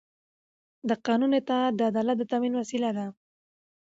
د قانون اطاعت د عدالت د تامین وسیله ده